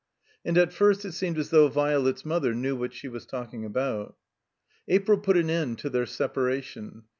And at first it seemed as though Violet's mother knew what she was talking about. April put an end to their separation.